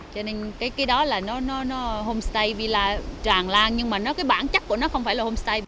cho nên cái đó là nó homestay villa tràn lan nhưng mà nó cái bản chất của nó không phải là homestay